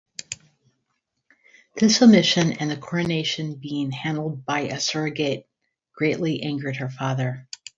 This omission and the coronation being handled by a surrogate greatly angered her father.